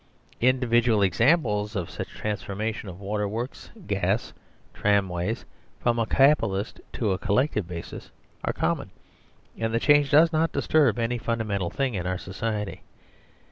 Individual examples of such transformation of waterworks, gas, tramways, from a Capitalist to a Collectivist basis are common, and the 107 THE SERVILE STATE change does not disturb any fundamental thing in our society.